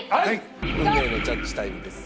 運命のジャッジタイムです。